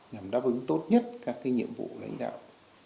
nhằm đáp ứng tốt nhất các nhiệm vụ lãnh đạo